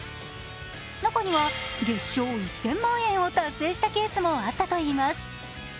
中には月商１０００万円を達成したケースもあったといいます。